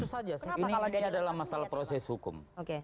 itu saja ini adalah masalah proses hukum